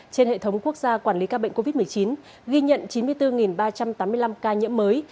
trên hệ thống quốc gia quản lý ca bệnh covid một mươi chín ghi nhận chín mươi bốn ba trăm tám mươi năm ca nhiễm mới